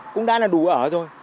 cũng đã là đủ ở rồi